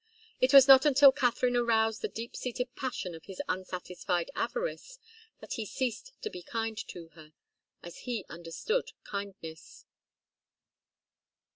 It was not until Katharine aroused the deep seated passion of his unsatisfied avarice that he ceased to be kind to her, as he understood kindness.